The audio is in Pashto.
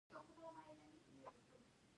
سیلابونه د افغانستان د امنیت په اړه هم اغېز لري.